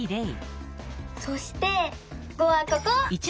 そして「５」はここ！